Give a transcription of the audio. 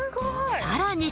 更に。